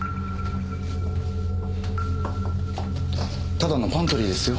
ただのパントリーですよ。